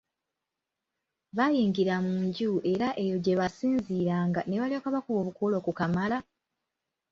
Baayingira mu nju era eyo gye basinziiranga ne balyoka bakuba obukule okukamala!